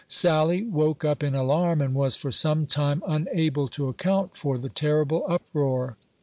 Sally woke up in alarm, and was for some time unable to account for the terrible uproar.